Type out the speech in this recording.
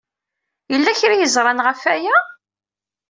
Yella kra ay ẓran ɣef waya?